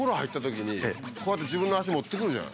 こうやって自分の足持ってくるじゃない。